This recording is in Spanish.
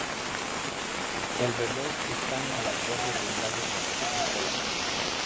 El reloj está en la torre del lado de la epístola.